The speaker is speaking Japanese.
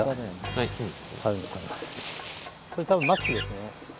これ多分マスクですね。